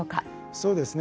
そうですね。